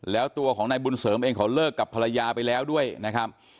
แล้วตัวของนายบุญเสริมเองเขาเลิกกับภรรยาไปแล้วด้วยนะครับ